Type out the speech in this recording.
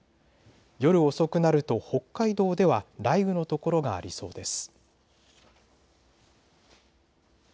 夜遅くなると北海道では雷雨の所がありそうです。